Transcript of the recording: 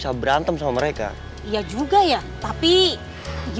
coba deh nyali lagi